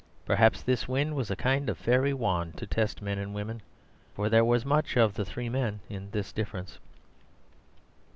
Perhaps this wind was a kind of fairy wand to test men and women, for there was much of the three men in this difference.